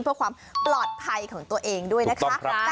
เพื่อความปลอดภัยของตัวเองด้วยนะคะ